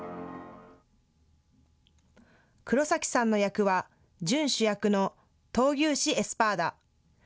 黒崎さんの役は準主役の闘牛士、エスパーダ。